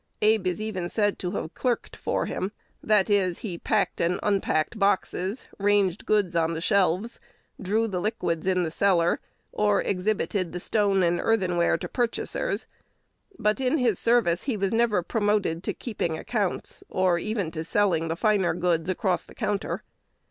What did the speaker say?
Abe is even said to have "clerked for him;" that is, he packed and unpacked boxes, ranged goods on the shelves, drew the liquids in the cellar, or exhibited the stone and earthen ware to purchasers; but in his service he was never promoted to keeping accounts, or even to selling the finer goods across the counter.